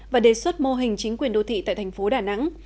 và đề xuất mô hình chính quyền đô thị tại tp đà nẵng